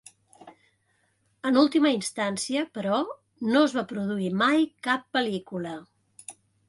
En última instància, però, no es va produir mai cap pel·lícula.